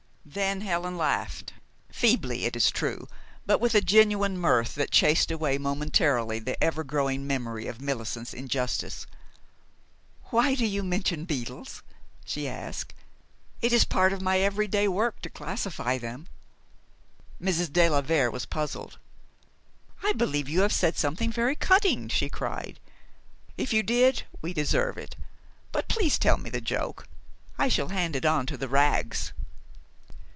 Then Helen laughed, feebly, it is true, but with a genuine mirth that chased away momentarily the evergrowing memory of Millicent's injustice. "Why do you mention beetles?" she asked. "It is part of my every day work to classify them." Mrs. de la Vere was puzzled. "I believe you have said something very cutting," she cried. "If you did, we deserve it. But please tell me the joke. I shall hand it on to the Wraggs."